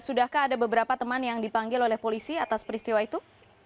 sudahkah ada beberapa teman yang dipanggil oleh polisi atas peristiwa itu